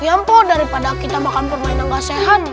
ya ampun daripada kita makan permainan gak sehat